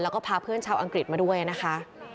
แล้วก็พาเพื่อนชาวอังกฤษมาด้วยนะคะ